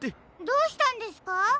どうしたんですか？